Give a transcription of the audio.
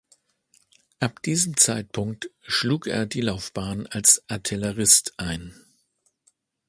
Ab diesem Zeitpunkt schlug er die Laufbahn als Artillerist ein.